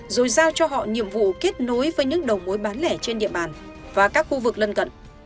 rồi giao cho họ nhiệm vụ kết nối với những đầu mối bán lẻ trên địa bàn và các khu vực lân cận